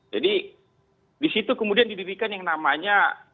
jadi di situ kemudian didirikan yang namanya